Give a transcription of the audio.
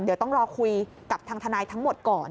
เดี๋ยวต้องรอคุยกับทางทนายทั้งหมดก่อน